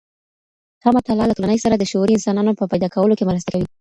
ښه مطالعه له ټولني سره د شعوري انسانانو په پيدا کولو کي مرسته کوي.